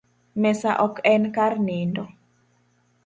Mesa ok en kar nindo